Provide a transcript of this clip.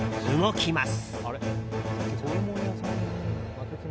動きます。